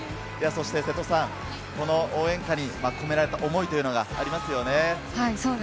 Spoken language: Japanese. せとさん、応援歌に込められた思いというのがありますよね。